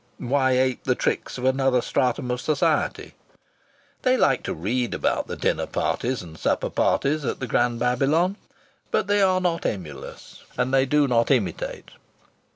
Why ape the tricks of another stratum of society? They like to read about the dinner parties and supper parties at the Grand Babylon; but they are not emulous and they do not imitate.